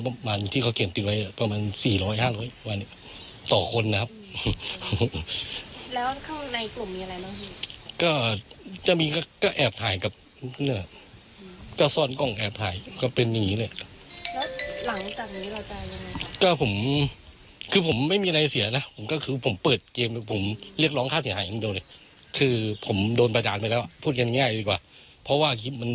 ประมาณที่เขาเขียนติดไว้ประมาณสี่ร้อยห้าร้อยวันต่อคนนะครับแล้วข้างในกลุ่มมีอะไรบ้างพี่ก็จะมีก็ก็แอบถ่ายกับเนี่ยก็ซ่อนกล้องแอบถ่ายก็เป็นอย่างงี้เลยแล้วหลังจากนี้อาจารย์ยังไงก็ผมคือผมไม่มีอะไรเสียนะผมก็คือผมเปิดเกมผมเรียกร้องค่าเสียหายอย่างเดียวเลยคือผมโดนประจานไปแล้วพูดกันง่ายดีกว่าเพราะว่าคลิปมัน